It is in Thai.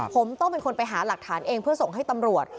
ผมต้องเป็นคนไปหาหลักฐานเองเพื่อส่งให้ตำรวจ